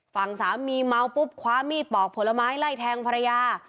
ฝั่งสามีเมาปุ๊บคว้ามีดปอกผลไม้ไล่แทงภรรยา